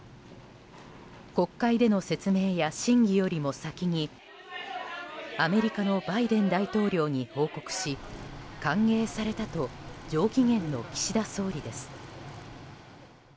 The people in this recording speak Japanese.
国会での説明や審議よりも先にアメリカのバイデン大統領に報告し歓迎されたと上機嫌の岸田総理です。